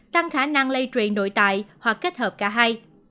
tăng khả năng lây truyền nội tại hoặc kết hợp cả hai